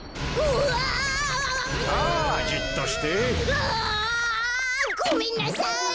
うわ！ごめんなさい！